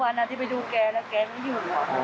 ๓วันอาทิตย์ไปดูแกแล้วแกไม่อยู่